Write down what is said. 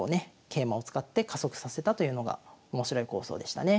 桂馬を使って加速させたというのが面白い構想でしたね。